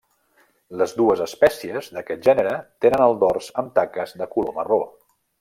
Les dues espècies d'aquest gènere tenen el dors amb taques de color marró.